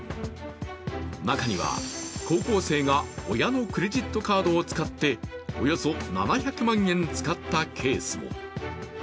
中には高校生が親のクレジットカードを使っておよそ７００万円使ったケースも。